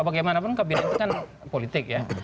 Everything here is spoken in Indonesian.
bagaimanapun kabinet itu kan politik ya